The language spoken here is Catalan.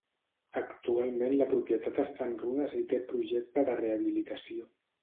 Actualment la propietat està en runes i té projecte de rehabilitació.